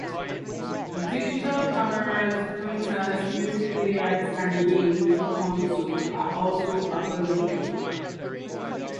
Digital cameras, printers, music players, and games consoles are also available.